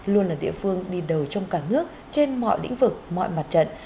luôn là địa phương đi đầu trong cả nước trên mọi lĩnh vực mọi mặt trận